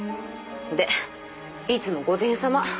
でいつも午前様。